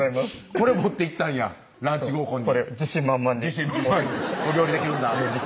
これ持っていったんやランチ合コンにこれ自信満々に自信満々に「お料理できるんだ」